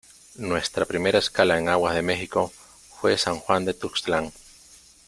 nuestra primera escala en aguas de México, fué San Juan de Tuxtlan.